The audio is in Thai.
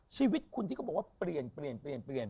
ชีวิตคุณที่ก็บอกว่าเปลี่ยน